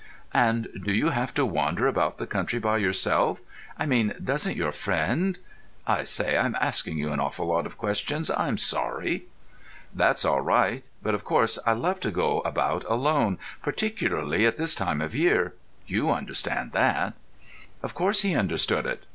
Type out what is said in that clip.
"And do you have to wander about the country by yourself? I mean, doesn't your friend—I say, I'm asking you an awful lot of questions. I'm sorry." "That's all right. But, of course, I love to go about alone, particularly at this time of year. You understand that." Of course he understood it.